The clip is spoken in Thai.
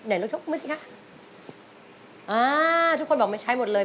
อ่าทุกคนบอกไม่ใช้หมดเลย